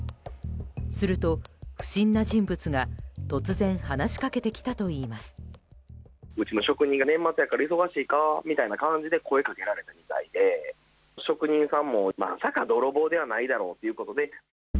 すると、不審な人物が突然話しかけてきたといいます。